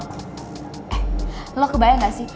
eh lo kebayang gak sih